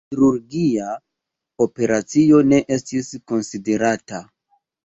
Kirurgia operacio ne estis konsiderata.